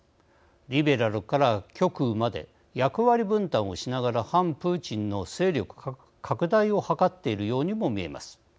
リベラルから極右まで役割分担をしながら反プーチンの勢力拡大を図っているようにも見えます。